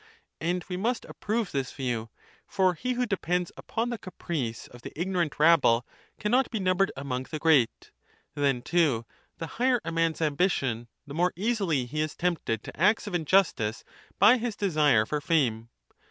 And we must approve this view ; for he who depends upon the caprice of the ignorant rabble cannot be num bered among the great. Then, too, the higher a man's ambition, the more easily he is tempted to acts of injustice by his desire for fame.